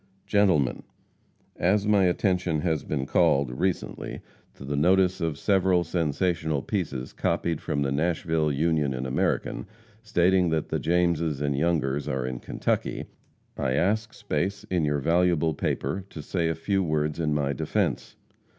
GENTLEMEN: As my attention has been called, recently, to the notice of several sensational pieces copied from the Nashville Union and American, stating that the Jameses and Youngers are in Kentucky, I ask space in your valuable paper to say a few words in my defence.